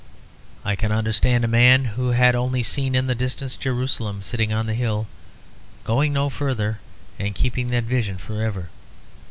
I can understand a man who had only seen in the distance Jerusalem sitting on the hill going no further and keeping that vision for ever.